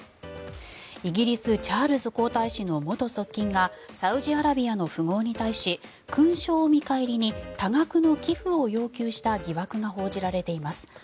イギリス、チャールズ皇太子の元側近がサウジアラビアの富豪に対し勲章を見返りに多額の寄付を要求した疑惑が報じられています。